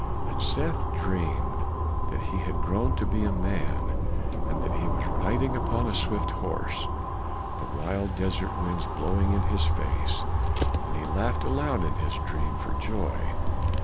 And Seth dreamed that he had grown to be a man, and that he was riding upon a swift horse, the wild desert winds blowing in his face, and he laughed aloud in his dream for joy.